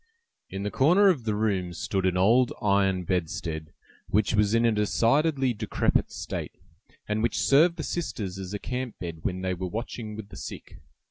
In the corner of the room stood an old iron bedstead, which was in a decidedly decrepit state, and which served the sisters as a camp bed when they were watching with the sick.